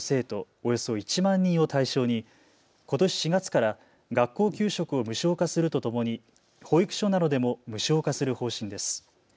およそ１万人を対象にことし４月から学校給食を無償化するとともに保育所などでも無償化する方針です。